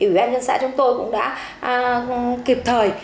ủy ban nhân xã chúng tôi cũng đã kịp thời